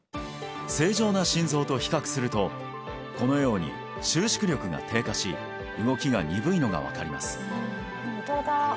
正常な心臓と比較するとこのように収縮力が低下し動きが鈍いのが分かります